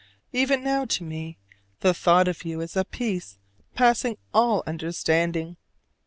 Even now to me the thought of you is a peace passing all understanding.